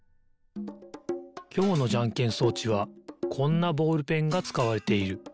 きょうのじゃんけん装置はこんなボールペンがつかわれている。